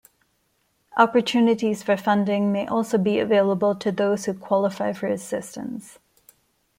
Opportunities for funding may also be available to those who qualify for assistance.